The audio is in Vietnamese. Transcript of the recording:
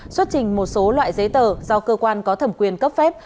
xuất trình một số loại giấy tờ do cơ quan có thẩm quyền cấp phép